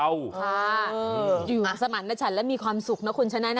อ่าอยู่สมันต์ด้วยฉันแล้วมีความสุขนะคุณชะนัยนะ